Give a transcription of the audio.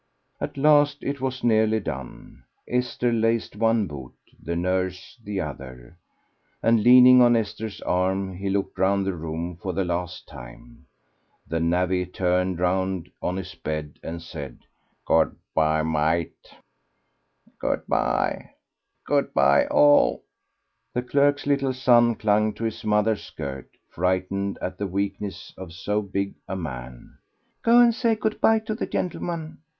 At last it was nearly done: Esther laced one boot, the nurse the other, and, leaning on Esther's arm, he looked round the room for the last time. The navvy turned round on his bed and said "Good bye, mate." "Good bye.... Good bye, all." The clerk's little son clung to his mother's skirt, frightened at the weakness of so big a man. "Go and say good bye to the gentleman."